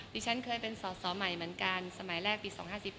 ดิฉันเคยเป็นสอสอใหม่เหมือนกันสมัยแรกปี๒๕๘